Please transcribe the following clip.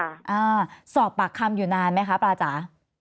อ่าสอบปากคำอยู่นานไหมคะปลาจ๋า